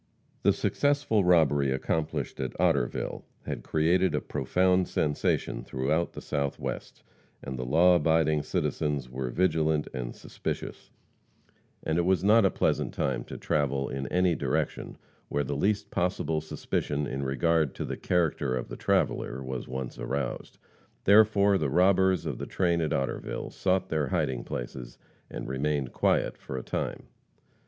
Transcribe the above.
The successful robbery accomplished at Otterville, had created a profound sensation throughout the southwest, and the law abiding citizens were vigilant and suspicious, and it was not a pleasant time to travel in any direction where the least possible suspicion in regard to the character of the traveller was once aroused. Therefore, the robbers of the train at Otterville sought their hiding places and remained quiet for a time.